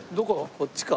こっちか？